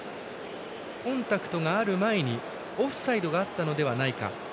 コンタクトがある前にオフサイドがあったのではないか。